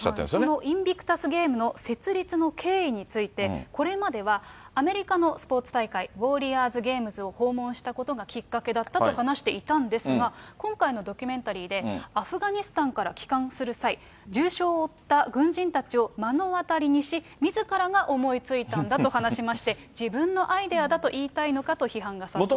そのインビクタス・ゲームの設立の経緯について、これまではアメリカのスポーツ大会、ウォーリアーズ・ゲームズを訪問したことがきっかけだったと話していたんですが、今回のドキュメンタリーで、アフガニスタンから帰還する際、重傷を負った軍人たちを目の当たりにし、みずからが思いついたんだと話しまして、自分のアイデアだと言いたいのかと批判が殺到しています。